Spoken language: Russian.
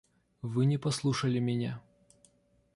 Вы не послушали меня.